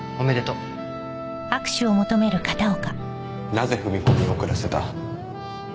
なぜ踏み込みを遅らせた？